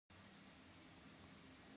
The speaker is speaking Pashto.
آیا او پرې عمل وشي؟